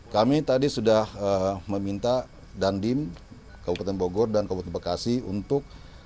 kami tadi sudah meminta dandim kabupaten bogor dan kabupaten bekasi untuk